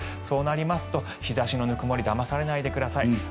そうなりますと日差しのぬくもりだまされないでください。